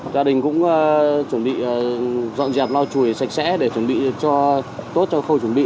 gia đình cũng chuẩn bị dọn dẹp lo chùi sạch sẽ để chuẩn bị tốt cho khâu chuẩn bị